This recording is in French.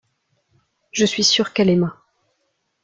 Je suis sûr qu’elle aima.